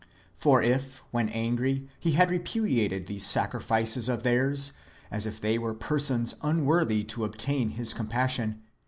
"* For if, when angry. He had repu diated these sacrifices of theirs, as if they were persons unworthy to obtain His compassion.